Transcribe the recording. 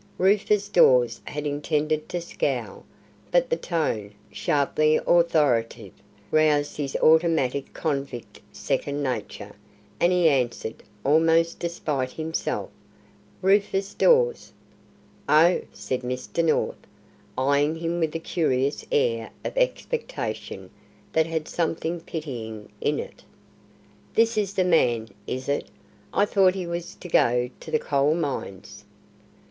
Rufus Dawes had intended to scowl, but the tone, sharply authoritative, roused his automatic convict second nature, and he answered, almost despite himself, "Rufus Dawes." "Oh," said Mr. North, eyeing him with a curious air of expectation that had something pitying in it. "This is the man, is it? I thought he was to go to the Coal Mines."